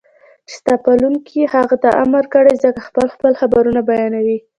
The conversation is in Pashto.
چې ستا پالونکي هغې ته امر کړی زکه خپل خپل خبرونه بيانوي